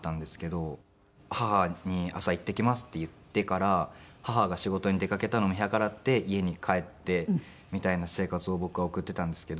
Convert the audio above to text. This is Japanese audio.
母に朝行ってきますって言ってから母が仕事に出かけたのを見計らって家に帰ってみたいな生活を僕は送っていたんですけど。